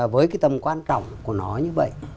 với cái tầm quan trọng của nó như vậy